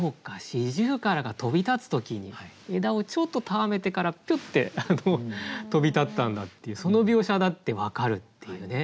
四十雀が飛び立つ時に枝をちょっとたわめてからピュッて飛び立ったんだっていうその描写だって分かるっていうね。